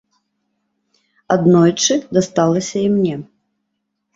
Аднойчы дасталася і мне.